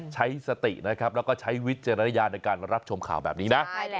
ใช้สตินะครับแล้วก็ใช้วิจารณญาณในการรับชมข่าวแบบนี้นะ